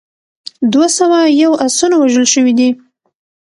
دوه سوه یو اسونه وژل شوي دي.